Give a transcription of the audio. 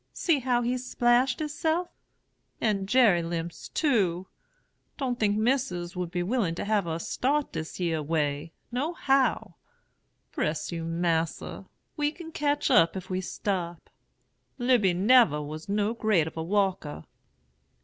See how he's splashed hisself! and Jerry limps, too. Don't think Missis would be willing to have us start dis yere way, no how. Bress you, Mas'r, we can ketch up, if we stop. Lizy nebber was no great of a walker.'